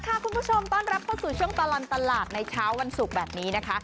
คุณผู้ชมต้อนรับเข้าสู่ช่วงตลอดตลาดในเช้าวันศุกร์แบบนี้นะคะ